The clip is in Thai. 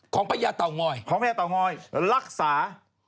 ของพระยาต่อง้อยของพระยาต่อง้อยรักษา